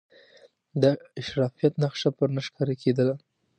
د اشرافیت نخښه پر نه ښکارېدله.